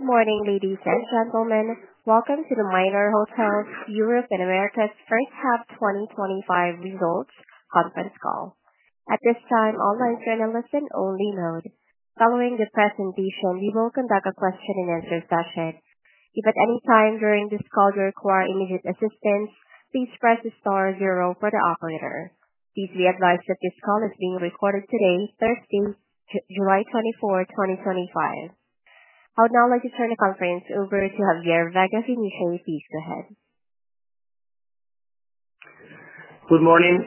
Good morning, ladies and gentlemen. Welcome to the Minor Hotels Europe and Americas First Half twenty twenty five Results Conference Call. At this time, all lines are in a listen only mode. Following the presentation, we will conduct a question and answer session. If at any time during this call you require immediate assistance, please press the 0 for the operator. Please be advised that this call is being recorded today, Thursday, 07/24/2025. I would now like to turn the conference over to Javier Vega Finiche. Please go ahead. Good morning.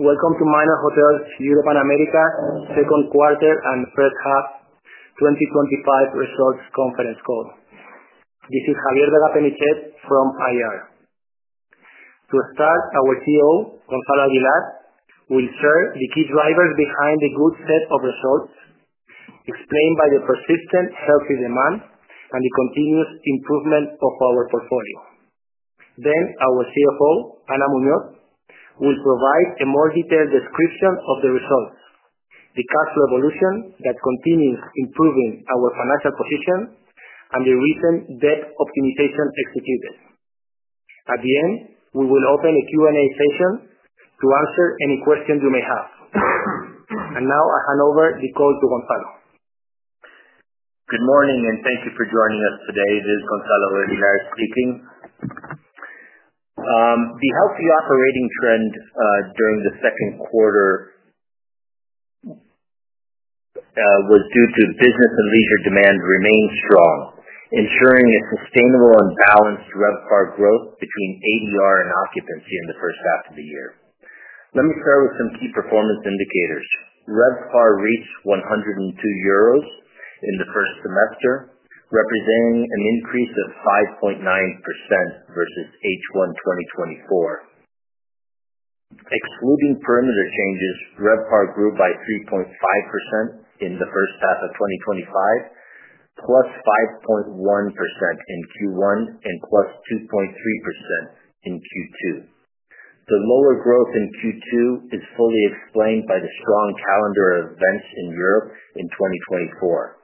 Welcome to Maina Hotels Europe and America Second Quarter and First Half twenty twenty five Results Conference Call. This is Javier de la Pemichette from IR. To start, our CEO, Gonzalo Gilad, will share the key drivers behind the good set of results explained by the persistent healthy demand and the continuous improvement of our portfolio. Then our CFO, Ana Munoz, will provide a more detailed description of the results, the cash revolution that continues improving our financial position and the recent debt optimization executed. At the end, we will open a q and a session to answer any questions you may have. And now I hand over the call to Gonzalo. Good morning, and thank you for joining us today. This is Gonzalo Vergilares speaking. The healthy operating trend during the second quarter was due to business and leisure demand remained strong, ensuring a sustainable and balanced RevPAR growth between ADR and occupancy in the first half of the year. Let me start with some key performance indicators. RevPAR reached €102 in the first semester, representing an increase of 5.9% versus H1 twenty twenty four. Excluding perimeter changes, RevPAR grew by 3.5% in the first half of twenty twenty five, plus 5.1% in q one and plus 2.3% in q two. The lower growth in q two is fully explained by the strong calendar events in Europe in 2024.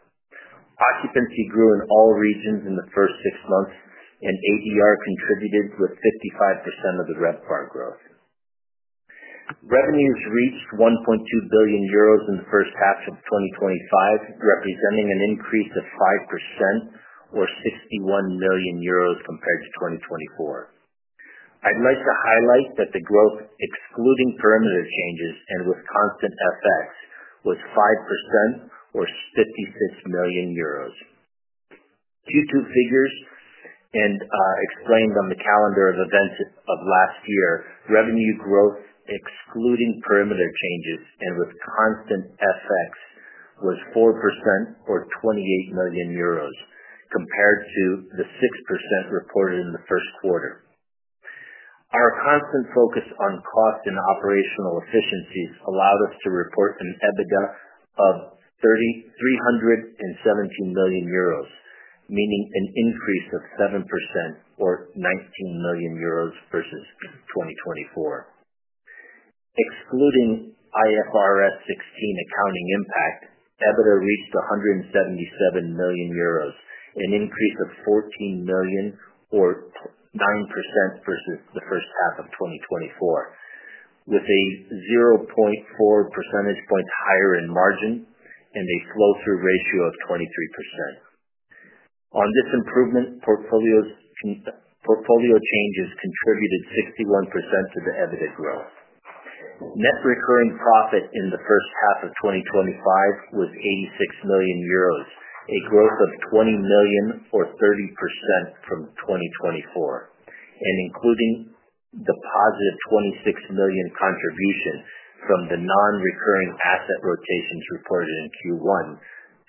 Occupancy grew in all regions in the first six months, and ADR contributed with 55% of the RevPAR growth. Revenues reached €1,200,000,000 in the first half of twenty twenty five, representing an increase of 5% or €61,000,000 compared to 2024. I'd like to highlight that the growth excluding perimeter changes and with constant FX was 5% or €56,000,000. Q two figures and explained on the calendar of events of last year, revenue growth excluding perimeter changes and with constant FX was 4% or €28,000,000 compared to the 6% reported in the first quarter. Our constant focus on cost and operational efficiencies allowed us to report an EBITDA of €317,000,000 meaning an increase of 7% or €19,000,000 versus 2024. Excluding IFRS 16 accounting impact, EBITDA reached 177,000,000 an increase of €14,000,000 or 9% versus the first half of twenty twenty four, with a 0.4 percentage points higher in margin and a flow through ratio of 23%. On this improvement, portfolio changes contributed 61 to the EBITDA growth. Net recurring profit in the 2025 was €86,000,000 a growth of €20,000,000 or 30% from 2024, and including the positive €26,000,000 contribution from the nonrecurring asset rotations reported in Q1,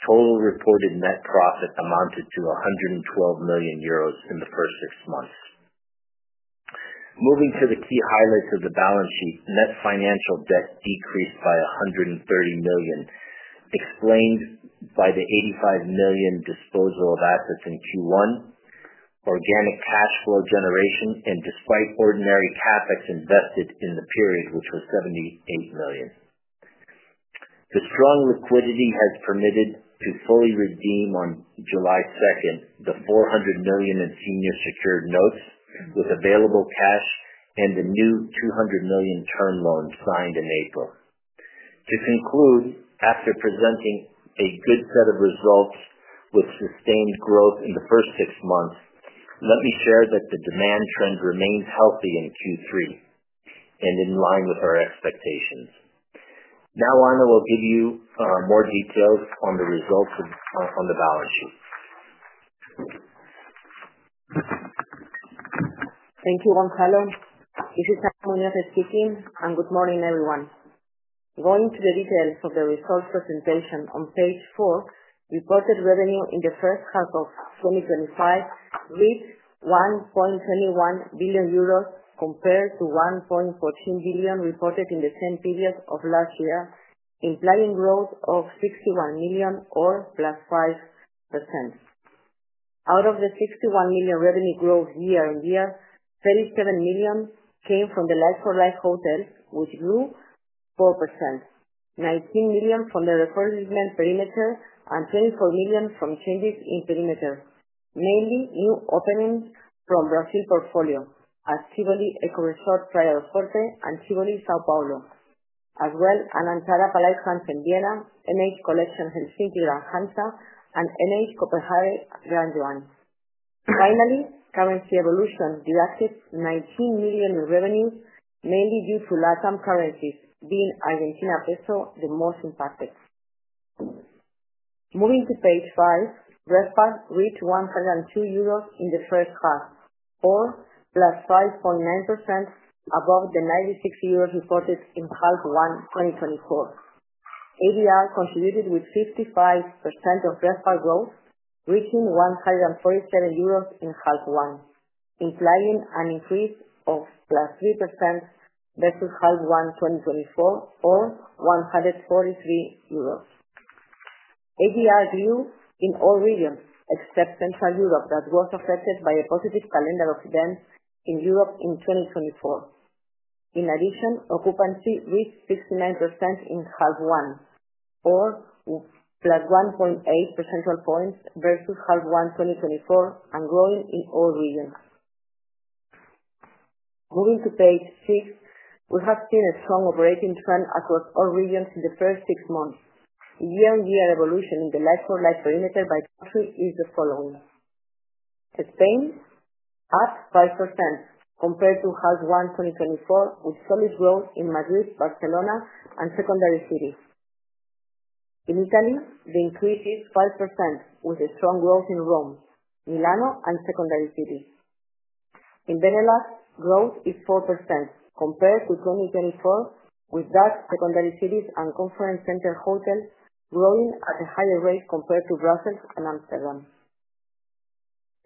total reported net profit amounted to €112,000,000 in the first six months. Moving to the key highlights of the balance sheet. Net financial debt decreased by $130,000,000 explained by the $85,000,000 disposal of assets in Q1, organic cash flow generation and despite ordinary CapEx invested in the period, which was 78,000,000 The strong liquidity has permitted to fully redeem on July 2 the 400,000,000 in senior secured notes with available cash and the new 200,000,000 term loan signed in April. To conclude, after presenting a good set of results with sustained growth in the first six months, let me share that the demand trend remains healthy in q three and in line with our expectations. Now Ana will give you more details on the results of on the balance sheet. Thank you, Juan Carlos. This is Antonio speaking, and good morning, everyone. Going to the details of the results presentation on Page four, reported revenue in the 2025 reached €1,210,000,000 compared to 1,140,000,000.00 reported in the same period of last year, implying growth of 61,000,000 or plus 5%. Out of the 61,000,000 revenue growth year on year, 37,000,000 came from the like for like hotels, which grew 4%, 19,000,000 from the refurbishment perimeter and 24,000,000 from changes in perimeter, mainly new openings from Brazil portfolio at Chivoli Eco Resort Playa del Forte and Chivoli Sao Paulo, as well as Anantara Palai, Hansa and NH Coperhaire Grande One. Finally, currency evolution, we achieved 19,000,000 in revenues, mainly due to LatAm currencies being Argentina peso the most impacted. Moving to page five, reached €102 in the first half or plus 5.9% above the €96 reported in half one twenty twenty four. ADR contributed with 55% of RevPAR growth, reaching €147 in half one, implying an increase of plus 3% versus half one twenty twenty four or €143. ADR view in all regions, Central Europe, that was affected by a positive calendar of events in Europe in 2024. In addition, occupancy reached 69 in half one or plus 1.8 percentage points versus half one twenty twenty four and growing in all regions. Moving to page six, we have seen a strong operating trend across all regions in the first six months. Year on year evolution in the like for like perimeter by country is the following. Spain, up 5% compared to half one twenty twenty four with solid growth in Madrid, Barcelona, and secondary cities. In Italy, the increase is 5% with a strong growth in Rome, Milano and secondary cities. In Benelux, growth is 4% compared to 2024 with that secondary cities and conference center hotels growing at a higher rate compared to Brussels and Amsterdam.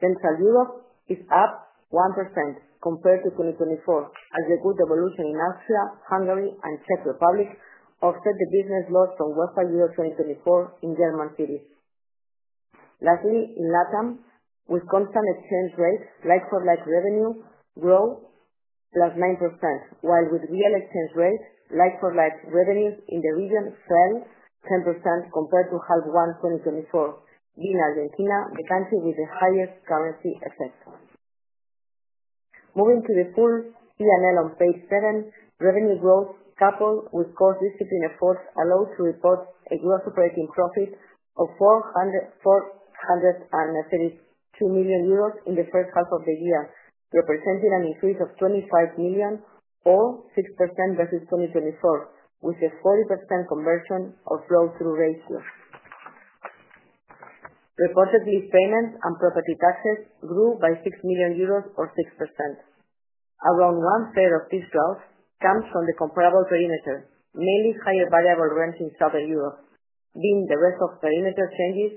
Central Europe is up 1% compared to 2024 as a good evolution in Austria, Hungary and Czech Republic offset the business loss from 1.002024 in German cities. Lastly, in LatAm, with constant exchange rates, like for like revenue grow plus 9%, while with real exchange rates, like for like revenues in the region fell 10% compared to half one twenty twenty four, being Argentina, the country with the highest currency effect. Moving to the full P and L on Page seven. Revenue growth, coupled with core discipline efforts, allowed to report a gross operating profit of $40,432,000,000 euros in the first half of the year, representing an increase of €25,000,000 or 6% versus 2024, with a 40% conversion or flow through ratio. Reported lease payments and property taxes grew by €6,000,000 or 6%. Around onethree of this growth comes from the comparable perimeter, mainly higher variable rents in Southern Europe, being the rest of perimeter changes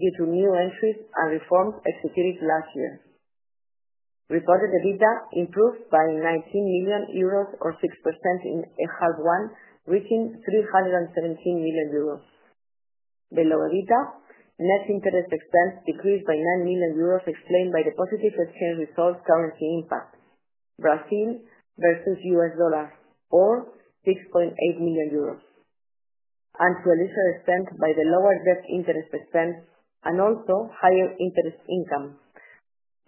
due to new entries and reforms executed last year. Reported EBITDA improved by 19,000,000 euros or 6% in Enhance one, reaching EUR $317,000,000. Below EBITDA, net interest expense decreased by 9,000,000 euros explained by the positive exchange result currency impact, Brazil versus U. S. Dollar or 6,800,000.0 euros. And to a lesser extent by the lower debt interest expense and also higher interest income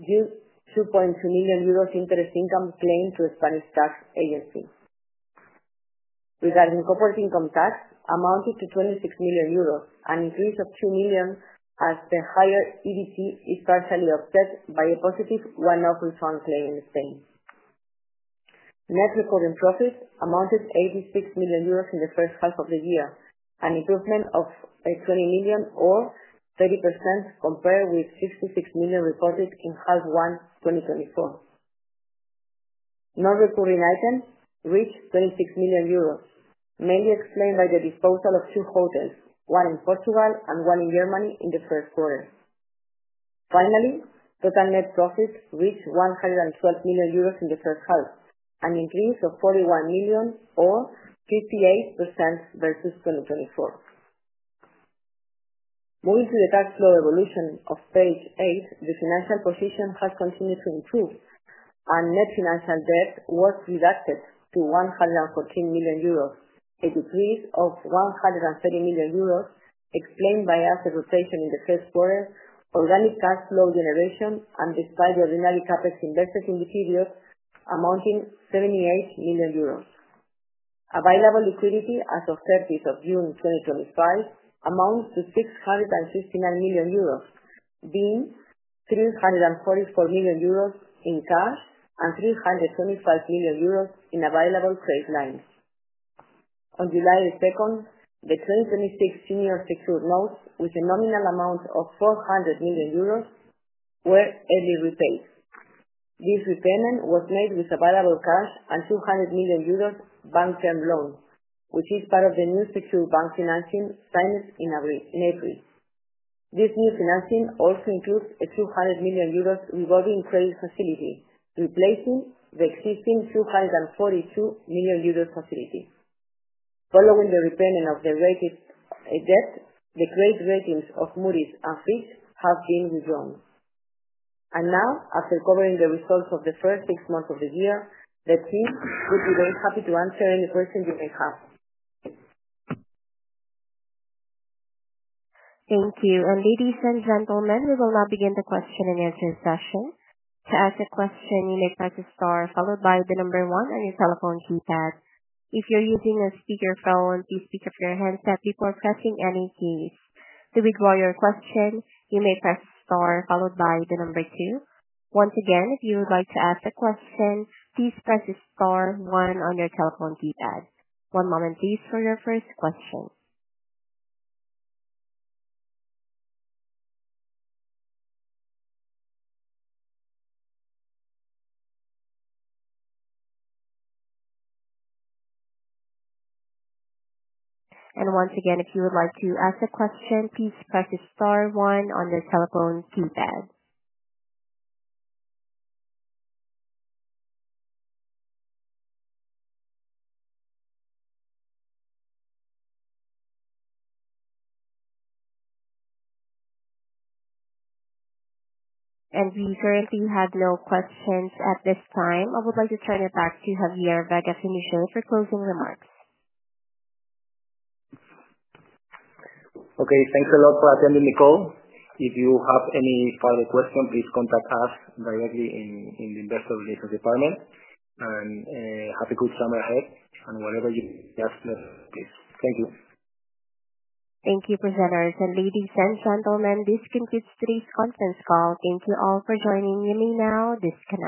due €2,200,000 interest income claim to Spanish Tax Agency. Regarding corporate income tax, amounted to €26,000,000, an increase of 2,000,000 as the higher EDC is partially offset by a positive one off refund claim in Spain. Net reporting profit amounted €86,000,000 in the first half of the year, an improvement of €20,000,000 or 30% compared with €66,000,000 reported in half one twenty twenty four. Non reporting items reached €26,000,000 mainly explained by the disposal of two hotels, one in Portugal and one in Germany in the first quarter. Finally, total net profit reached €112,000,000 in the first half, an increase of €41,000,000 or 58% versus 2024. Moving to the cash flow evolution of Page eight, the financial position has continued to improve. And net financial debt was deducted to €114,000,000 a decrease of €130,000,000 explained by asset rotation in the first quarter, organic cash flow generation and despite the ordinary CapEx invested in materials amounting €78,000,000 Available liquidity as of 06/30/2025 amounts to €659,000,000 being €344,000,000 in cash and €325,000,000 in available credit lines. On July 2, the twenty twenty six senior secured notes with a nominal amount of €400,000,000 were early repaid. This repayment was made with available cash and €200,000,000 bank term loan, which is part of the new secured bank financing signed in every in April. This new financing also includes a €200,000,000 revolving credit facility, replacing the existing €242,000,000 facility. Following the repayment of the rated debt, the credit ratings of Moody's and Fitch have been withdrawn. And now after covering the results of the first six months of the year, the team would be very happy to answer any questions you may have. Thank you. And ladies and gentlemen, we will now begin the question and answer session. To ask a question, you may press star followed by the number one on your telephone keypad. If you're using a speakerphone, please speak of your handset before pressing any keys. To withdraw your question, you may press star followed by the number 2. Once again, if you would like to ask a question, please press star one on your telephone keypad. One moment, please, for your first question. And once again, if you would like to ask a question, please press the star one on the telephone keypad. And we currently have no questions at this time. I would like to turn it back to Javier Vega Finichel for closing remarks. Okay. Thanks a lot for attending the call. If you have any further questions, please contact us directly in in the investor relations department, and have a good summer ahead. And whenever you the best, please. Thank you. Thank you, presenters. And ladies and gentlemen, this concludes today's conference call. Thank you all for joining. You may now disconnect.